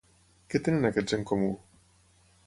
Què tenen aquests en comú?